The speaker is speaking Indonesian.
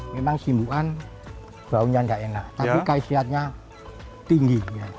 memang simbukan baunya enggak enak tapi khasiatnya tinggi